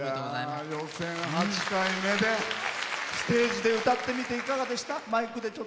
予選８回目でステージで歌ってみていかがでした？